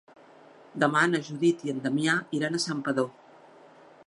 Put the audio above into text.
Demà na Judit i en Damià iran a Santpedor.